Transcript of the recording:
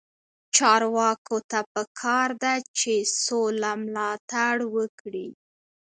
چارواکو ته پکار ده چې، سوله ملاتړ وکړي.